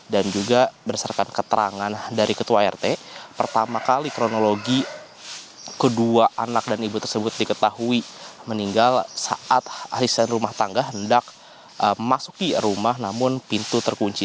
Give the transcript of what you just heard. dan juga berdasarkan keterangan dari ketua art pertama kali kronologi kedua anak dan ibu tersebut diketahui meninggal saat ahli rumah tangga hendak memasuki rumah namun pintu terkunci